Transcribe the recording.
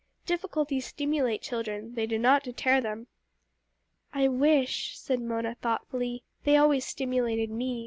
"Difficulties stimulate children, they do not deter them." "I wish," said Mona thoughtfully, "they always stimulated me."